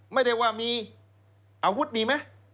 ไม่ได้ว่ามีอาวุธมีไหม